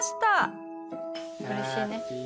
うれしいね。